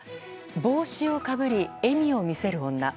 帽子をかぶり笑みを見せる女。